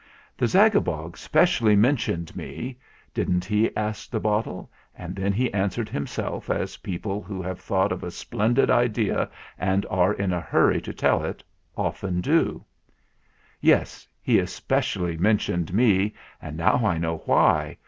"The Zagabog specially mentioned me, didn't he?" asked the bottle; and then he an swered himself, as people who have thought of a splendid idea and are in a hurry to tell it, often do. "Yes, he specially mentioned me; and now I know why!